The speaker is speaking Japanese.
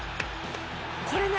これね